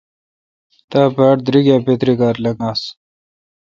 تا باڑ دریک اے° بدراگار لنگاس۔